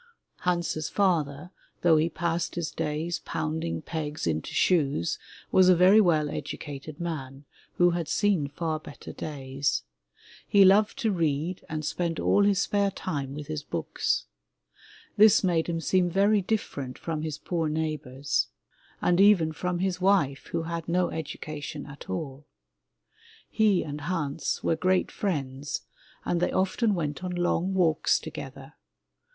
Hans's father, though he passed his days pounding pegs into shoes, was a very well educated man, who had seen far better days. He loved to read and spent all his spare time with his books. This made him seem very different from his poor neighbors, and even 25 M Y BOOK HOUSE from his wife who had no education at all. He and Hans were great friends and they often went on long walks together.